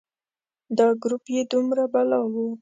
دا ګروپ یې دومره بلا و.